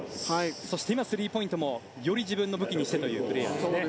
そして今スリーポイントもより自分の武器にしてというプレーヤーですね。